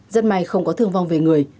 dân may không có thương vong về người